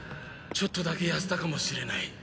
ちょっとだけ痩せたかもしれない。